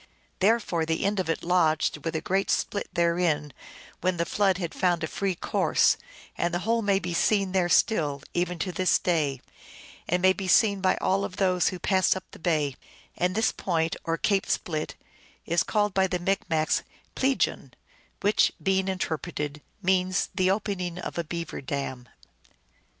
Therefore the end of it lodged with a great split therein when the flood had found a free course, and the whole may be seen there still, eveirto this day, and may be seen by all of those who pass up the bay ; and this point, or Cape Split, is called by the Micmacs Pleegun, which, being inter preted, means the opening of a beaver dam.